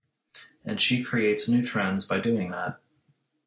And she creates new trends by doing that.